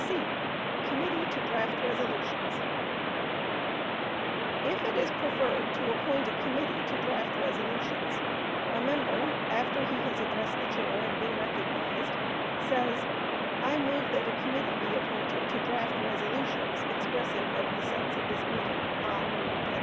(c) Committee to draft Resolutions. If it is preferred to appoint a committee to draft resolutions, a member, after he has addressed the Chair and been recognized, says, "I move that a committee be appointed to draft resolutions expressive of the sense of this meeting on," etc.